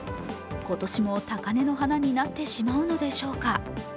今年も高嶺の花になってしまうのでしょうか。